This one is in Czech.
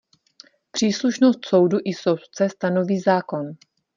Příslušnost soudu i soudce stanoví zákon.